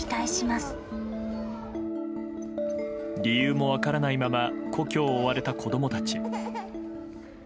理由も分からないまま故郷を追われた子供たち。